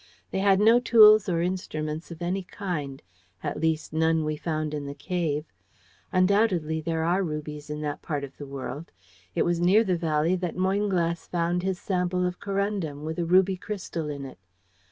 They had no tools or instruments of any kind at least, we found none in the cave. Undoubtedly there are rubies in that part of the world. It was near the valley that Moynglass found his sample of corundum, with a ruby crystal in it.